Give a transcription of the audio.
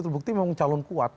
terbukti memang calon kuat